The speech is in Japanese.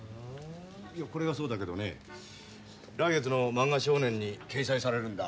これがそうだけどね来月の「漫画少年」に掲載されるんだ。